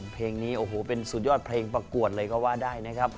เพลงนี้โอ้โหเป็นสุดยอดเพลงประกวดเลยก็ว่าได้นะครับ